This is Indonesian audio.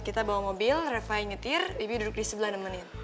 kita bawa mobil reva nyetir bibi duduk di sebelah nemenin